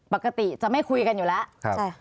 ปกติจะไม่คุยกันอยู่แล้ว